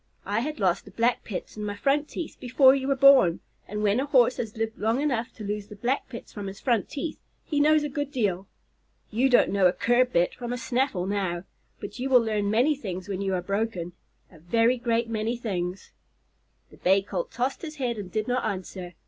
I had lost the black pits in my front teeth before you were born, and when a Horse has lived long enough to lose the black pits from his front teeth, he knows a good deal. You don't know a curb bit from a snaffle now, but you will learn many things when you are broken a very great many things." The Bay Colt tossed his head and did not answer.